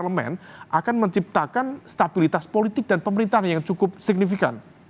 dan penambahan tahap kemudian ini menciptakan stabilitas politik dan pemerintahan yang cukup signifikan